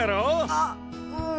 あっうん。